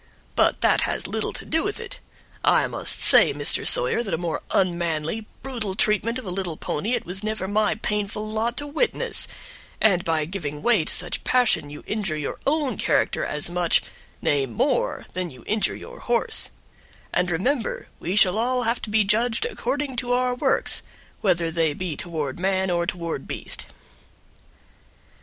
But that has little to do with it. I must say, Mr. Sawyer, that a more unmanly, brutal treatment of a little pony it was never my painful lot to witness, and by giving way to such passion you injure your own character as much, nay more, than you injure your horse; and remember, we shall all have to be judged according to our works, whether they be toward man or toward beast."